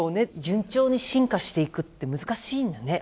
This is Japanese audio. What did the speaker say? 順調に進化していくって難しいんだね